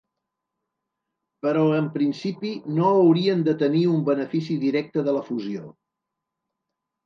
Però en principi no haurien de tenir un benefici directe de la fusió.